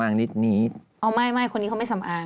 ไม่คนนี้เขาไม่สำอาง